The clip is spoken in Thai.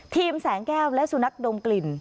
แสงแก้วและสุนัขดมกลิ่น